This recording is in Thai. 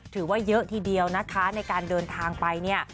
ถือว่าเยอะทีเดียวนะคะในการเดินทางไปเนี่ย